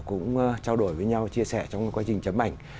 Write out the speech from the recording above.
cũng trao đổi với nhau chia sẻ trong quá trình chấm ảnh